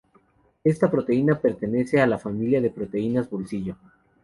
Esta proteína pertenece a la familia de proteínas bolsillo.